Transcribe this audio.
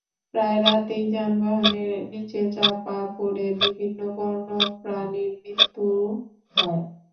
প্রায় রাতেই যানবাহনের নিচে চাপা পড়ে বিভিন্ন বন্য প্রাণীর মৃত্যু হয়।